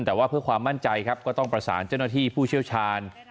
แต่ว่าเพื่อความมั่นใจครับก็ต้องประสานเจ้าหน้าที่ผู้เชี่ยวชาญ